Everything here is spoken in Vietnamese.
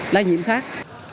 là nhiễm khác